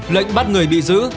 lệnh bắt người bị giữ